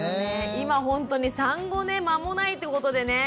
今ほんとに産後ね間もないってことでね。